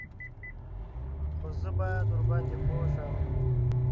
_خو زه بايد ورباندې پوه شم.